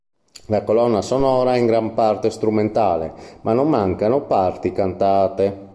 La colonna sonora è in gran parte strumentale ma non mancano parti cantate.